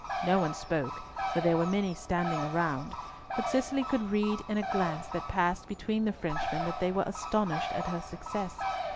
No one spoke, for there were many standing around, but Cicely could read in a glance that passed between the Frenchmen that they were astonished at her success.